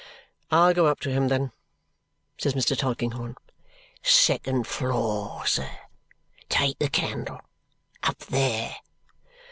"I'll go up to him, then," says Mr. Tulkinghorn. "Second floor, sir. Take the candle. Up there!"